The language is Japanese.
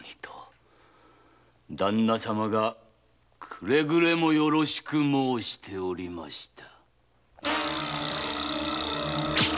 旦那様がくれぐれもよろしく申しておりました。